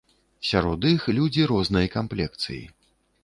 Сярод іх людзі рознай камплекцыі.